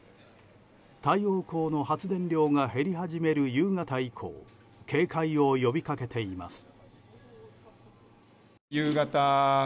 太陽光の発電量が減り始める夕方以降警戒を呼びかけています。